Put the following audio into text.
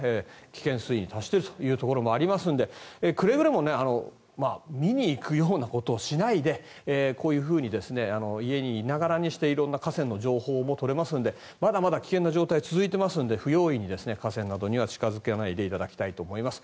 危険水位に達しているところもありますのでくれぐれも見に行くようなことはしないでこういうふうに家にいながらにして色んな河川の情報も取れますのでまだまだ危険な状態は続いていますので不用意に河川などには近付かないでいただきたいと思います。